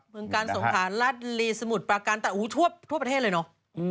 เมืองกาลสงขารัฐลีสมุทรประการแต่ทั่วประเทศเลยเนอะ